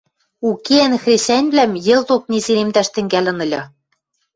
укеӓн хресӓньвлӓм йӹлток незеремдӓш тӹнгӓлӹн ыльы.